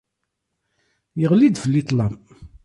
Yeɣli-d fell-i ṭṭlam.